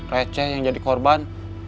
receh yang jadi korban